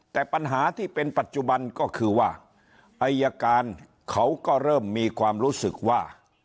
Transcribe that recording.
แต่ปัญหาที่เป็นปัจจุบันก็คือว่าอายการเขาก็เริ่มมีความรู้สึกว่า